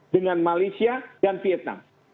dengan malaysia dan vietnam